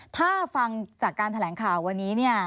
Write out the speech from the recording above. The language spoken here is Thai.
ถ้าฟังจากการแถลงข่าววันนี้เนี่ย